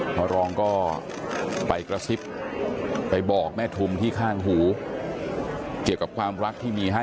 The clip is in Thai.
พระรองก็ไปกระซิบไปบอกแม่ทุมที่ข้างหูเกี่ยวกับความรักที่มีให้